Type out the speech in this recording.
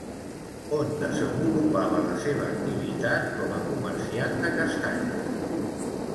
On desenvolupava la seva activitat com a comerciant de castanyes?